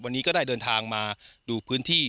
วันนี้ก็ได้เดินทางมาดูพื้นที่